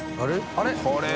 あれ？